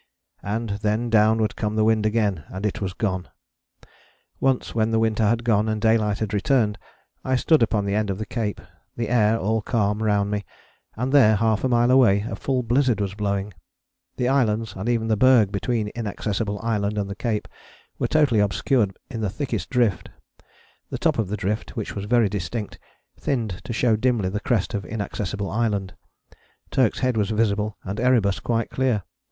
And then down would come the wind again and it was gone. Once when the winter had gone and daylight had returned I stood upon the end of the cape, the air all calm around me, and there, half a mile away, a full blizzard was blowing: the islands, and even the berg between Inaccessible Island and the cape, were totally obscured in the thickest drift: the top of the drift, which was very distinct, thinned to show dimly the crest of Inaccessible Island: Turk's Head was visible and Erebus quite clear.